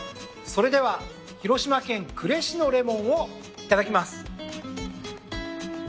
それでは広島県呉市のレモンをいただきます。